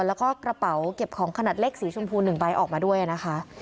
แล้วก็กระเป๋าเก็บของขนาดเล็กสีชมพู๑ใบออกมาด้วยนะคะ